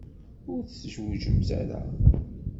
Ur d-twejjdemt ara.